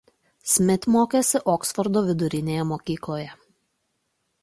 Smit mokėsi Oksfordo vidurinėje mokykloje.